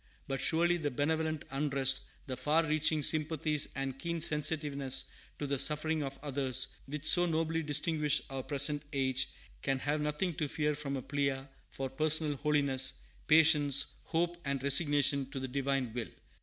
But surely the benevolent unrest, the far reaching sympathies and keen sensitiveness to the suffering of others, which so nobly distinguish our present age, can have nothing to fear from a plea for personal holiness, patience, hope, and resignation to the Divine will.